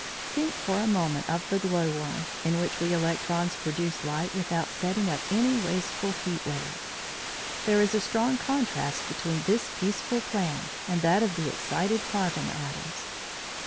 Think for a moment of the glow worm, in which we electrons produce light without setting up any wasteful heat waves. There is a strong contrast between this peaceful plan and that of the excited carbon atoms.